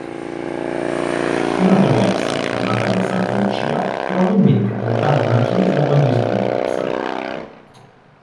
Una traversa, chiamata via Santa Lucia, probabilmente portava a una chiesa oggi scomparsa.